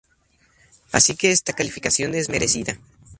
Así que esta calificación es merecida.